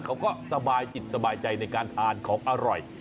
เขาก็สบายจิตสบายใจในการทานของอร่อย